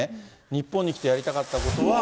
日本に来てやりたかったことは。